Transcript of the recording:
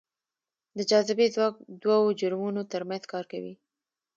د جاذبې ځواک دوو جرمونو ترمنځ کار کوي.